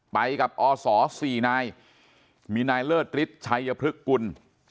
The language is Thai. ไปกับอ่อสอสี่นายมีนายเลิศฤทธิ์ชัยพฤกกุล